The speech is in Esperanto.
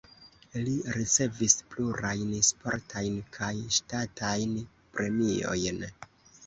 Li ricevis plurajn sportajn kaj ŝtatajn premiojn.